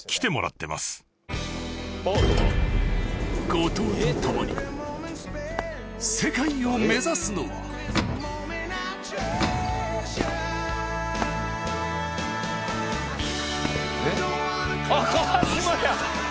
後藤と共に世界を目指すのは川島や！